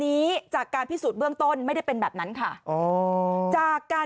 นี้จากการพิสูจน์เบื้องต้นไม่ได้เป็นแบบนั้นค่ะอ๋อจากการ